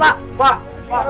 pak pak pak